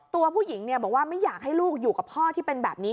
ตัวผู้หญิงบอกว่าไม่อยากให้ลูกอยู่กับพ่อที่เป็นแบบนี้